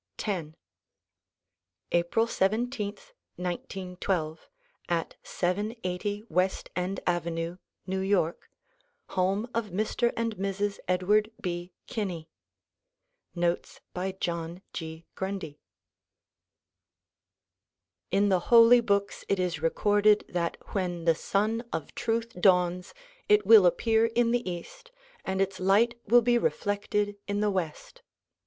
X April 17, 1912, at 780 ^Yest End Avenue, New York. Home of Mr. and Mrs. Edumrd B. Kiimcu. Notes by John G. Grundy IN the holy books it is recorded that when the Sun of Truth dawns it will appear in the east and its light will be reflected in the west.